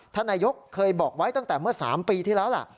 ท่านนายกเคยบอกไว้ตั้งแต่เมื่อ๓ปีที่แล้วล่ะ